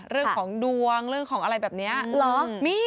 เรื่องของดวงเรื่องของอะไรแบบนี้เหรอ